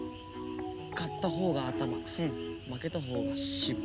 勝った方が頭負けた方が尻尾。